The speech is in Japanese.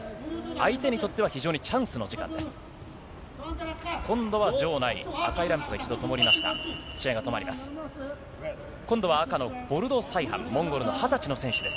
相手にとっては非常にチャンスの時間です。